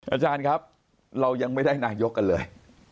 อาจารย์ครับเรายังไม่ได้นายกกันเลย